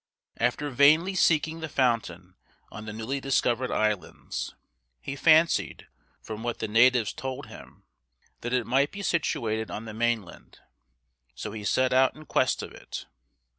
After vainly seeking the fountain on the newly discovered islands, he fancied, from what the natives told him, that it might be situated on the mainland, so he set out in quest of it.